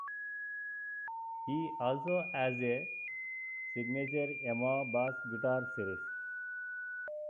He also has a signature Yamaha bass-guitar series.